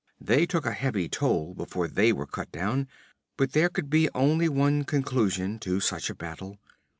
They took a heavy toll before they were cut down, but there could be only one conclusion to such a battle.